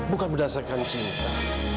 bukan berdasarkan cinta